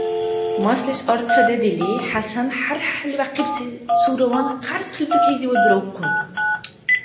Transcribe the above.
Маслис арцра дедили, ХӀясан хӀярхӀяли бяхъибси цураван хъярхъли тукейзивад дуравхъун.